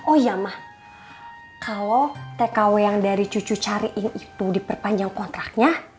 oh ya mah kalau tkw yang dari cucu cariin itu diperpanjang kontraknya